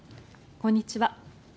こんにちは。